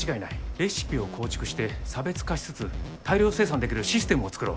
レシピを構築して差別化しつつ大量生産できるシステムを作ろう。